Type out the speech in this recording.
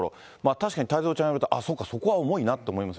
確かに太蔵ちゃんが言うとおり、そうか、そこは重いなと思います